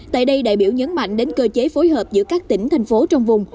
tại đây đại biểu nhấn mạnh đến cơ chế phối hợp giữa các tỉnh thành phố trong vùng